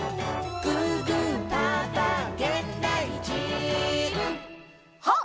「ぐーぐーぱーぱーげんだいじーん」ハッ！